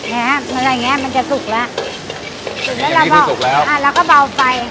ไหนฮะมันแบบเนี้ยมันจะสุกแล้วแล้วเราก็อ่าเราก็เบาไฟ